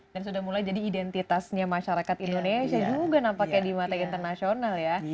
dan sudah mulai jadi identitasnya masyarakat indonesia juga nampaknya di mata internasional ya